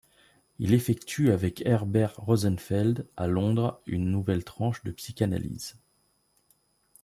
Il effectue avec Herbert Rosenfeld à Londres une nouvelle tranche de psychanalyse..